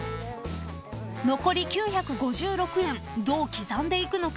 ［残り９５６円どう刻んでいくのか］